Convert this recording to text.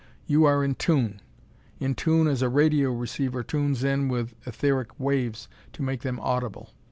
You are in tune; in tune as a radio receiver tunes in with etheric waves to make them audible.